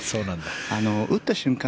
打った瞬間